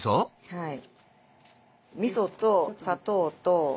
はい。